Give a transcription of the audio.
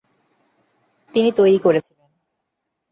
তিনি তৈরি করেছিলেন ।